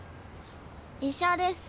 医者です。